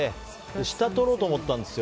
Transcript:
下取ろうと思ったんですよ。